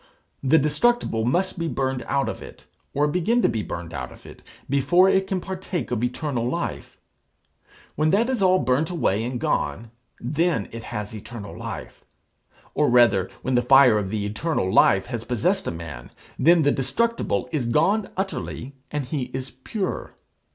The destructible must be burned out of it, or begin to be burned out of it, before it can partake of eternal life. When that is all burnt away and gone, then it has eternal life. Or rather, when the fire of eternal life has possessed a man, then the destructible is gone utterly, and he is pure.